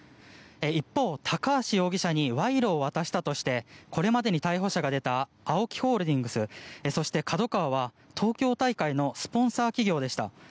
一方、高橋容疑者に賄賂を渡したとしてこれまでに逮捕者が出たＡＯＫＩホールディングスそしてＫＡＤＯＫＡＷＡは東京大会スポンサー企業でした。